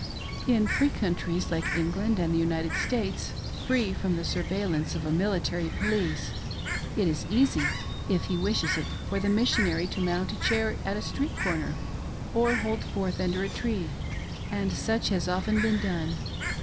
In free countries like England and the United States — free from the surveillance of a military police, it is easy, if he wishes it, for the Missionary to mount a chair at a street cor ner, or hold forth under a tree, and such has often been done.